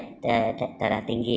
ada komorbid dan ada darah tinggi ya